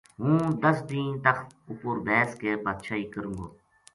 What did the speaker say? ہوں دَس دیہنہ تخت اُپر بیس کے بادشاہی کروں گو